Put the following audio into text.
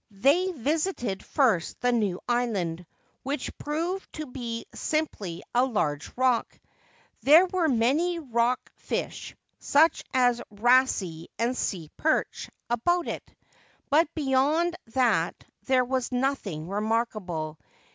They visited first the new island, which proved to be simply a large rock. There were many rock fish, such as wrasse and sea perch, about it ; but beyond that there was nothing remarkable.